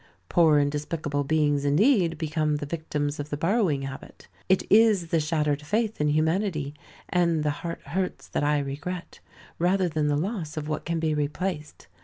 Poor and despicable beings indeed, become the victims of the borrowing habit. It is the shattered faith in humanity, and the heart hurts that I regret, rather than the loss of what can be replaced.